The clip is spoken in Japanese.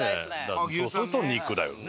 そうすると肉だよね。